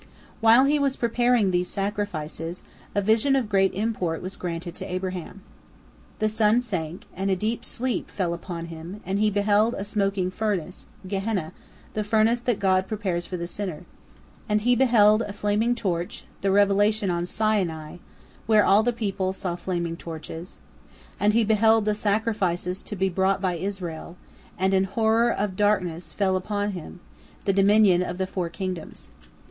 While he was preparing these sacrifices, a vision of great import was granted to Abraham. The sun sank, and a deep sleep fell upon him, and he beheld a smoking furnace, Gehenna, the furnace that God prepares for the sinner; and he beheld a flaming torch, the revelation on Sinai, where all the people saw flaming torches; and he beheld the sacrifices to be brought by Israel; and an horror of great darkness fell upon him, the dominion of the four kingdoms.